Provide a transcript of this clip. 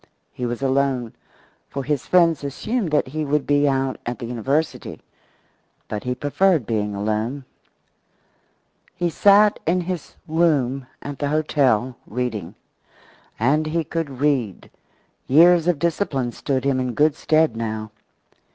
He was alone, for his friends assumed that he would be out at the university. But he preferred being alone. He sat in his room at the hotel, reading. And he could read. Years of discipline stood him in good stead now.